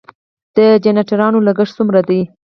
د جنراتورونو لګښت څومره دی؟